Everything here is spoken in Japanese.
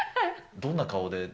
どんな顔で？